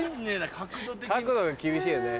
角度が厳しいよね。